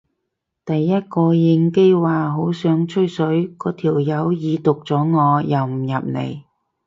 第一個應機話好想吹水嗰條友已讀咗我又唔入嚟